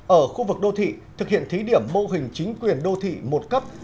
ở khu vực đô thị thực hiện thí điểm mô hình chính quyền đô thị một cấp